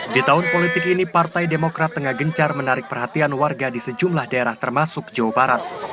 di tahun politik ini partai demokrat tengah gencar menarik perhatian warga di sejumlah daerah termasuk jawa barat